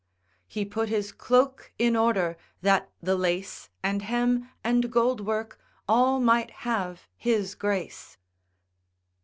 He put his cloak in order, that the lace. And hem, and gold work, all might have his grace.